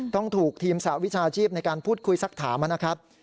ต้องถูกทีมสหวิชาชีพในการพูดคุยสักถามนะครับ